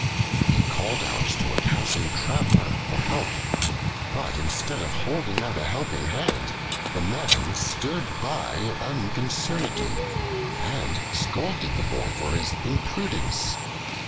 He called out to a passing traveler for help, but instead of holding out a helping hand, the man stood by unconcernedly, and scolded the boy for his imprudence.